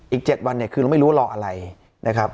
อีก๗วันเนี่ยคือเราไม่รู้ว่ารออะไรนะครับ